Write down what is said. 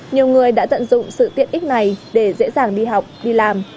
nhiều người đã tận dụng sự tiện ích này để dễ dàng đi học đi làm